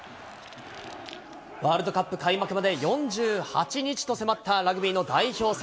ワールドカップ開幕まで４８日と迫ったラグビーの代表戦。